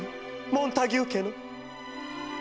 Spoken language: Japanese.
モンタギュー家の」。